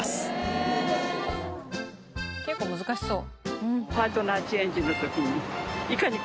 結構難しそう。